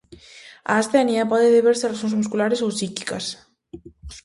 A astenia pode deberse a razóns musculares ou psíquicas.